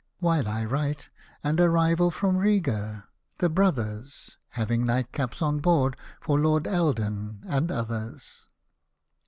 (While I write, an arrival from Riga — the "Brothers" — Having nightcaps on board for Lord Eldon and others.)